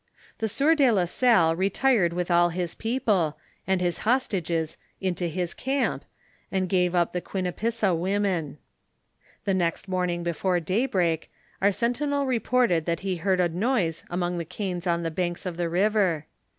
The sieur de la Salle retired with all his people, and his hostages into his camp, and give up the Quinipissa women. m i BISCOYEBIES IK THE MISSISSIPPI VALLET. 17T The next morning before daybreak, our sentinel reported that he heard a noise among the canes on the banks of the river.